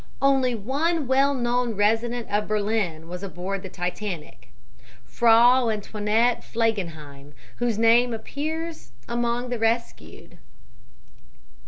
Only one well known resident of Berlin was aboard the Titanic, Frau Antoinette Flegenheim, whose name appears among the rescued.